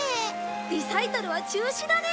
リサイタルは中止だね。